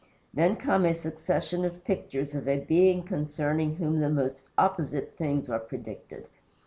Then come a succession of pictures of a Being concerning whom the most opposite things are predicted.